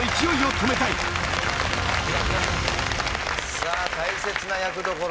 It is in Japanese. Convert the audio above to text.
さあ大切な役どころ。